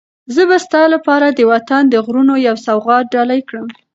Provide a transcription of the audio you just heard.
زه به ستا لپاره د وطن د غرونو یو سوغات ډالۍ کړم.